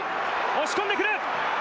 押し込んでくる！